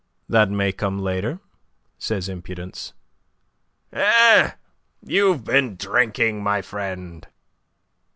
"That may come later," says impudence. "Eh? You've been drinking, my friend."